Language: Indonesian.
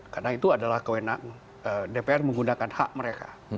karena itu adalah kewenangan dpr menggunakan hak mereka